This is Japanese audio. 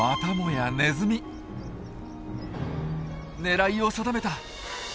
狙いを定めた！